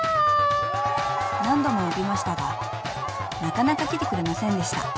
［何度も呼びましたがなかなか来てくれませんでした］